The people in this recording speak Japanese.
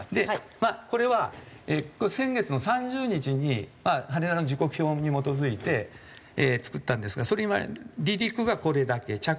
まあこれは先月の３０日に羽田の時刻表に基づいて作ったんですがそれ離陸がこれだけ着陸がこれだけ。